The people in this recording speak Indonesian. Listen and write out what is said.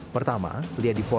pertama lia di vonis hukuman